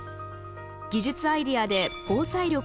技術アイデアで防災力を向上。